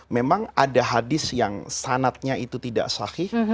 memang ada hadis yang sanatnya itu tidak sahih